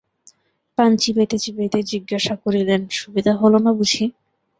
পান চিবাইতে চিবাইতে জিজ্ঞাসা করিলেন, সুবিধা হল না বুঝি?